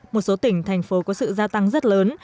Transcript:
một số tỉnh thành phố có sự gia tăng rất lớn